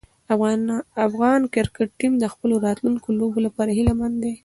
افغان کرکټ ټیم د خپلو راتلونکو لوبو لپاره هیله مند دی.